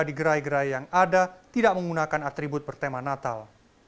di gerai gerai yang ada tidak menggunakan atribut bertema natal